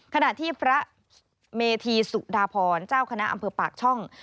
ขณะที่พระเมธีสุดาพรเจ้าคณะอำเภอปากช่อง